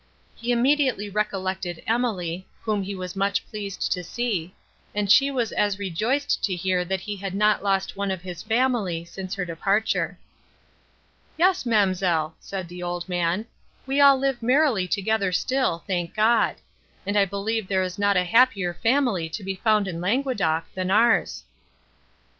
He immediately recollected Emily, whom he was much pleased to see, and she was as rejoiced to hear, that he had not lost one of his family, since her departure. "Yes, ma'amselle," said the old man, "we all live merrily together still, thank God! and I believe there is not a happier family to be found in Languedoc, than ours."